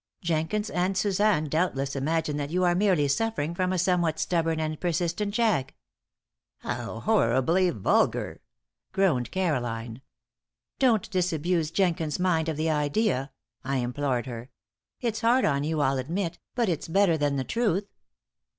Jenkins and Suzanne doubtless imagine that you are merely suffering from a somewhat stubborn and persistent jag." "How horribly vulgar!" groaned Caroline. "Don't disabuse Jenkins's mind of the idea," I implored her. "It's hard on you, I'll admit, but it's better than the truth.